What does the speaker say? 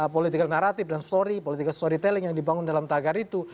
political naratif dan story political storytelling yang dibangun dalam tagar itu